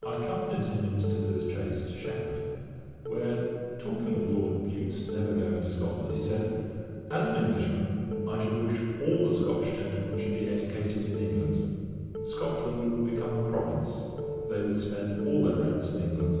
I accompanied him in Mr. Dilly's chaise to Shefford, where talking of Lord Bute's never going to Scotland, he said, 'As an Englishman, I should wish all the Scotch gentlemen should be educated in England; Scotland would become a province; they would spend all their rents in England.'